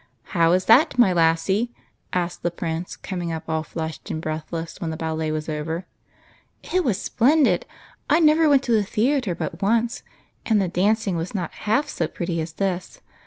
How is that, my lassie ?" asked the Prince, coming up all flushed and breathless when the ballet was over. " It was splendid ! I never went to the theatre but once, and the dancing was not half so pretty as this.